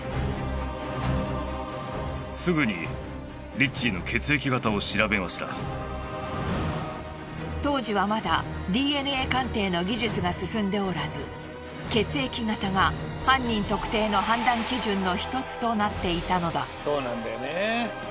シンシアが殺されたとき当時はまだＤＮＡ鑑定の技術が進んでおらず血液型が犯人特定の判断基準の１つとなっていたのだ。